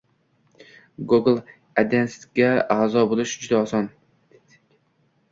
Google adsensega a’zo bo’lish juda oson